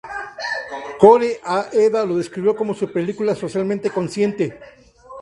Kore-eda lo describió como su película "socialmente consciente".